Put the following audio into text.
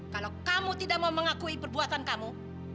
kalau kamu tidak mau mengakui perbuatan kamu